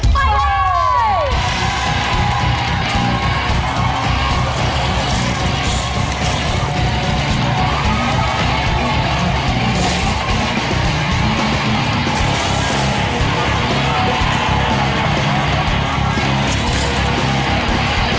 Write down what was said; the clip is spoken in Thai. ไปเลย